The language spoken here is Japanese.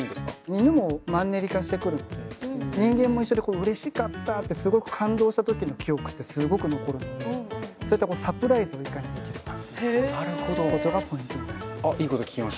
犬もマンネリ化してくるので人間も一緒でうれしかったってすごく感動した時の記憶ってすごく残るのでそういったサプライズをいかにできるかっていうことがポイントになります。